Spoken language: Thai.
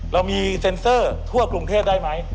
เรามีเซ็นเซอร์ทั่วกรุงเทพได้ไหม